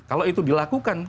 kalau itu dilakukan